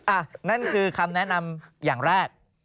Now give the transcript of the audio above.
นั่นคือคำแนะนำอย่างแรก